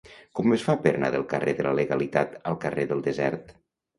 Com es fa per anar del carrer de la Legalitat al carrer del Desert?